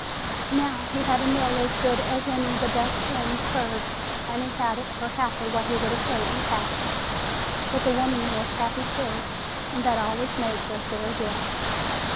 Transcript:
Now he had a meal as good as any the best inns served and he had it for half of what he would have paid in cash. But the woman was happy too, and that always made for a fair deal.